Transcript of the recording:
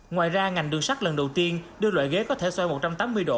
ngoài ra ngành đường sắt lần đầu tiên đưa loại ghế có thể xoay một trăm tám mươi độ